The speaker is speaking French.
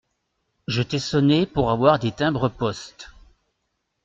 Je t’ai sonné pour avoir des timbres-poste.